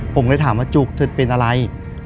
ผมเลยถามว่าจุกเธอเป็นอะไร